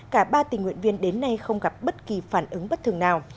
cả ba tình nguyện viên đến nay không gặp bất kỳ phản ứng bất thường nào